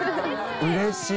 うれしい！